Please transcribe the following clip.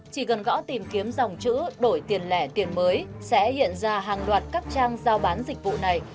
chỉ cần gõ tìm kiếm dòng chữ đổi tiền lẻ tiền mới sẽ hiện ra hàng loạt các trang giao bán dịch vụ này